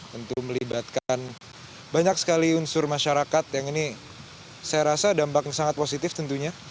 tentu melibatkan banyak sekali unsur masyarakat yang ini saya rasa dampaknya sangat positif tentunya